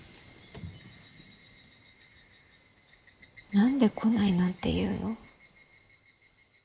何で「来ない」なんて言うの？